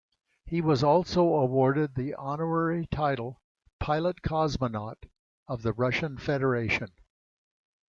He was also awarded the honorary title Pilot-Cosmonaut of the Russian Federation.